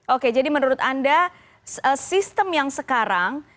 oke jadi menurut anda sistem yang sekarang